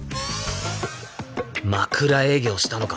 枕営業したのか？